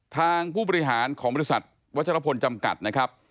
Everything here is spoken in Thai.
ทางผู้บริหารของบริษัทวัชรพลจำกัดนะครับ